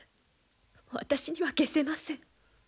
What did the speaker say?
私にはげせません。